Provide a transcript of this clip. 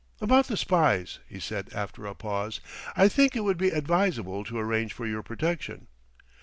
"About the spies," he said after a pause. "I think it would be advisable to arrange for your protection."